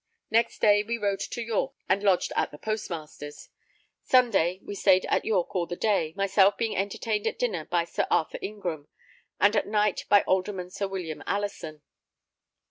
Next day we rode to York and lodged at the postmaster's. Sunday, we stayed at York all the day, myself being entertained at dinner by Sir Arthur Ingram and at night by Alderman Sir William Allison.